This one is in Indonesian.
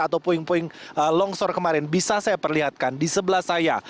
atau puing puing longsor kemarin bisa saya perlihatkan di sebelah saya